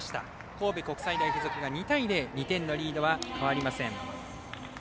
神戸国際大付属が２対０、２点のリードは代わりません。